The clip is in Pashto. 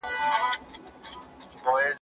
اقتصادي ثبات د سیاسي ثبات سره تړاو لري.